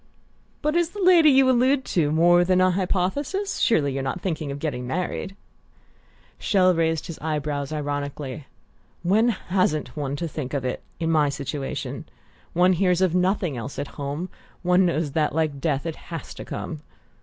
"But is the lady you allude to more than a hypothesis? Surely you're not thinking of getting married?" Chelles raised his eye brows ironically. "When hasn't one to think of it, in my situation? One hears of nothing else at home one knows that, like death, it has to come."